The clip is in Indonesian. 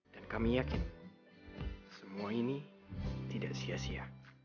dan kami yakin semua ini tidak sia sia